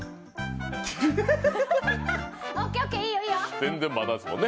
全然まだですね。